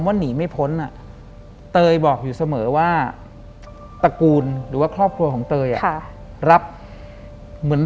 หลังจากนั้นเราไม่ได้คุยกันนะคะเดินเข้าบ้านอืม